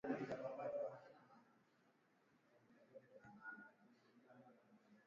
Wanyama wachache kwenye kundi hufa lakini huwa na athari kubwa ya kiuchumi kwa sababu